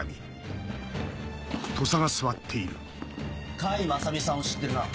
甲斐正美さんを知ってるな？